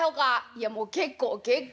「いやもう結構結構。